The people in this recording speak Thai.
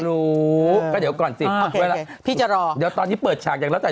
รู้ก็เดี๋ยวก่อนสิเวลาพี่จะรอเดี๋ยวตอนนี้เปิดฉากอย่างแล้วแต่